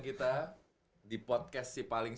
kita di podcast sipaling